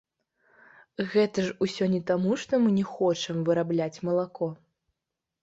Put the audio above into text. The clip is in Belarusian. Гэта ж усё не таму, што мы не хочам вырабляць малако!